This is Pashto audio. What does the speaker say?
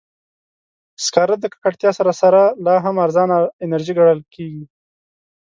سکاره د ککړتیا سره سره، لا هم ارزانه انرژي ګڼل کېږي.